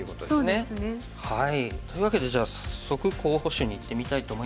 そうですね。というわけでじゃあ早速候補手にいってみたいと思います。